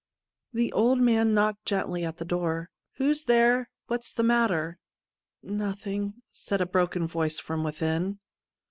The old man knocked gently at the door. ' Who's there ? What's the matter ?'' Nothing/ said a broken voice from within.